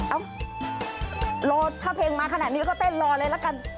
เอ้ารอถ้าเพลงมาขนาดนี้ก็เต้นรอเลยละกัน